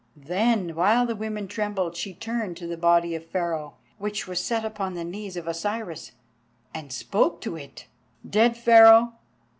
Then, while the women trembled, she turned to the body of Pharaoh, which was set upon the knees of Osiris, and spoke to it. "Dead Pharaoh!